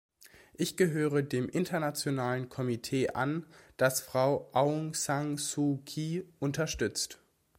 Ich gehöre dem internationalen Komitee an, das Frau Aung San Suu Kyi unterstützt.